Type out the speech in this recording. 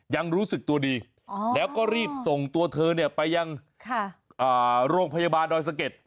ยังรู้สึกตัวดีแล้วก็รีบส่งตัวเธอไปยังโรงพยาบาลดอยสะเก็ด